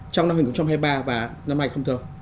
trong năm một nghìn chín trăm hai mươi ba và năm nay không thường